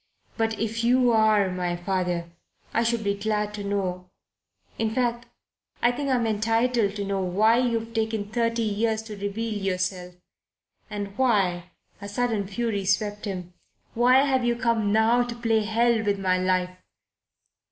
But, if you are my father, I should be glad to know in fact, I think I'm entitled to know why you've taken thirty years to reveal yourself, and why" a sudden fury swept him "why you've come now to play hell with my life."